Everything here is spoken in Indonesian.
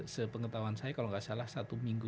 se pengetahuan saya kalau gak salah satu minggu